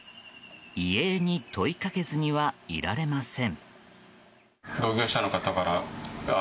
遺影に問いかけずにはいられません。